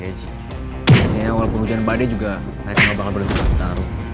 gaji sepertinya awal penerbangan badai juga mereka gak bakal berusaha taruh